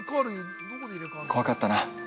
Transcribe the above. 怖かったな。